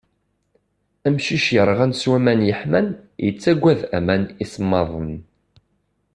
Amcic yerɣan s waman yeḥman yettaggad aman isemmaden.